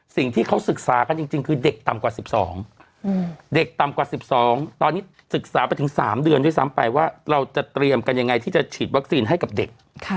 สิ่งที่เขาศึกษากันจริงคือเด็กต่ำกว่า๑๒เด็กต่ำกว่า๑๒ตอนนี้ศึกษาไปถึง๓เดือนด้วยซ้ำไปว่าเราจะเตรียมกันยังไงที่จะฉีดวัคซีนให้กับเด็ก